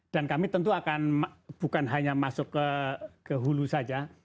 dan kami tentu akan bukan hanya masuk ke hulu saja